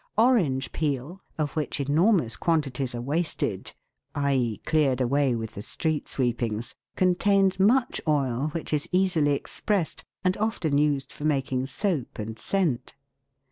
Orange peel of which enormous quantities are wasted, i.e., cleared away with the street sweepings contains much oil, which is easily expressed, and often used for making soap and scent.